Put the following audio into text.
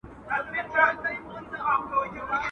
ګټه په سړه سینه کیږي !.